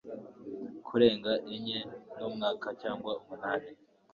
kurenga enye mu mwaka cyangwa umunani